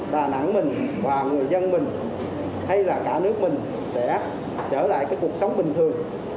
đà nẵng mình và người dân mình hay là cả nước mình sẽ trở lại cái cuộc sống bình thường